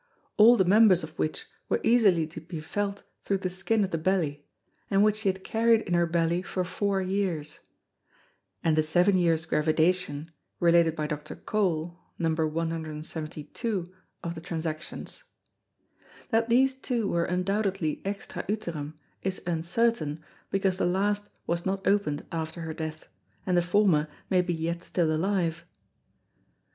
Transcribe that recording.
all the Members of which were easily to be felt through the Skin of the Belly, and which she had carried in her Belly for four Years; and the seven Years Gravidation, related by Dr. Cole, Numb. 172. of the Transact. That these two were undoubtedly extra Uterum, is uncertain, because the last was not open'd after her death, and the former may be yet still alive.